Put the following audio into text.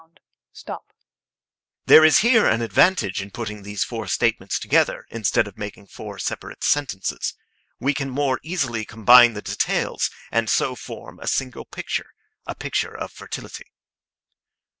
There is here an advantage in putting these four statements together, instead of making four separate sentences. We can more easily combine the details, and so form a single picture a picture of fertility.